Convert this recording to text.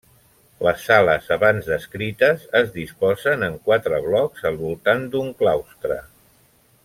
Les sales abans descrites es disposen en quatre blocs al voltant d'un claustre.